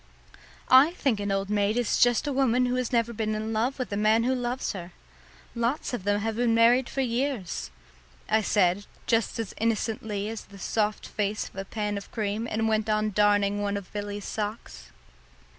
"I think an old maid is just a woman who has never been in love with a man who loves her. Lots of them have been married for years," I said, just as innocently as the soft face of a pan of cream, and went on darning one of Billy's socks.